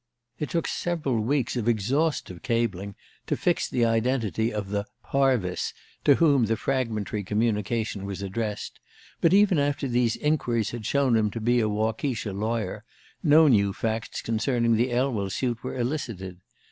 It took several weeks of exhaustive cabling to fix the identity of the "Parvis" to whom the fragmentary communication was addressed, but even after these inquiries had shown him to be a Waukesha lawyer, no new facts concerning the Elwell suit were elicited.